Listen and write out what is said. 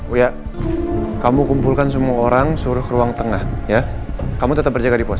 wia kamu kumpulkan semua orang suruh ke ruang tengah ya kamu tetap berjaga di pos